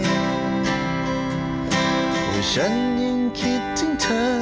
คำขอโทษของฉันเธอคงไม่ใส่ใจ